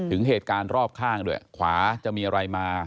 ถึงเหตุการณ์รอบข้างด้วยขวาจะมีอะไรมา